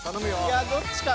いやどっちか。